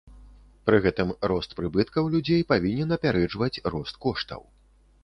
Пры гэтым рост прыбыткаў людзей павінен апярэджваць рост коштаў.